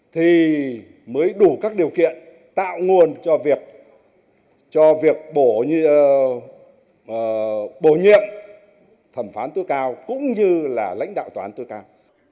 thì mới đủ các điều kiện tạo nguồn cho việc cho việc bổ nhiệm thẩm phán tối cao cũng như là lãnh đạo tòa án tối cao